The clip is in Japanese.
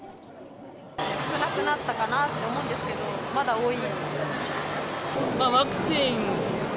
少なくなったかなって思うんですけど、まだ多い。